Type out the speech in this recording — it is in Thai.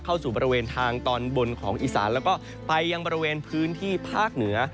เข้าสู่บริเวณทางตอนบนของอีสานแล้วก็ไปยังบริเวณพื้นที่ภาคเหนือ